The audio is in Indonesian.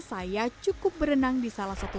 saya cukup berenang di salah satu